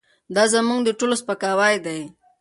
دا زموږ د ټولو سپکاوی دی.